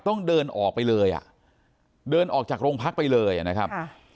ต้องเดินออกไปเลยอ่ะเดินออกจากโรงพักไปเลยนะครับ